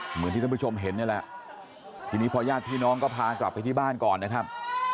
เหมือนที่ท่านผู้ชมเห็นนี่แหละทีนี้พอญาติพี่น้องก็พากลับไปที่บ้านก่อนนะครับ